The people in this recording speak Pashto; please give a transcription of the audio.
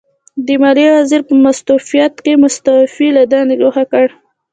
د ماليې وزیر په مستوفیت کې مستوفي له دندې ګوښه کړ.